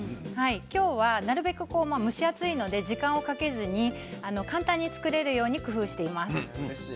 今日は、なるべく蒸し暑いので時間をかけずに簡単に作れるように工夫しています。